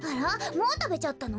もうたべちゃったの？